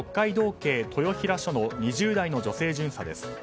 警豊平署の２０代の女性巡査です。